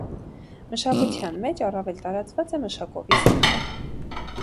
Մշակության մեջ առավել տարածված է մշակովի սեխը։